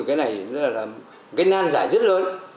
cái này rất là gây năn giải rất lớn